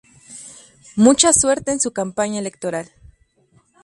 Mucha suerte en su campaña electoral.".